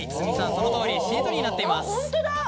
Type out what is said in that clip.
そのとおりしりとりになっています。